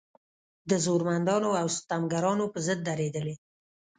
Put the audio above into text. د زورمندانو او ستمګرانو په ضد درېدلې.